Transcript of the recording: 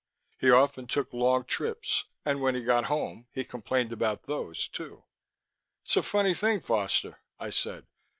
He often took long trips, and when he got home, he complained about those, too. "It's a funny thing, Foster," I said.